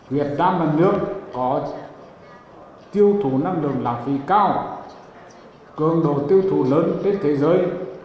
việt nam là nước có tiêu thụ năng lượng lãng phí cao cường độ tiêu thụ lớn hết thế giới